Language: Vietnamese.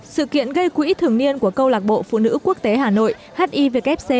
sự kiện gây quỹ thường niên của câu lạc bộ phụ nữ quốc tế hà nội hivc